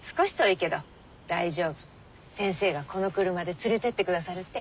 先生がこの車で連れてってくださるって。